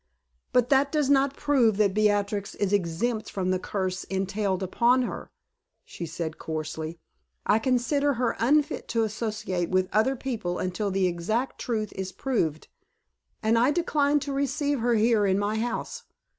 "But that does not prove that Beatrix is exempt from the curse entailed upon her," she said, coarsely. "I consider her unfit to associate with other people until the exact truth is proved, and I decline to receive her here in my house.